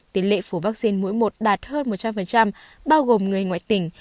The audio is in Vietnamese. tỷ lệ phủ vaccine mỗi một đạt hơn một trăm linh bao gồm người ngoại tỉnh